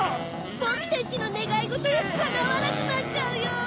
ぼくたちのねがいごとがかなわなくなっちゃうよ！